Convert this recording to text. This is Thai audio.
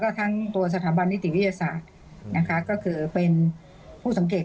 ทั้งตัวสถาบันนิติวิทยาศาสตร์นะคะก็คือเป็นผู้สังเกต